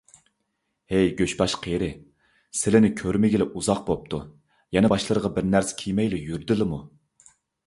ھەي گۆشباش قېرى، سىلىنى كۆرمىگىلى ئۇزاق بوپتۇ. يەنە باشلىرىغا بىرنەرسە كىيمەيلا يۈردىلىمۇ؟